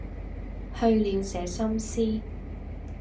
去了這心思，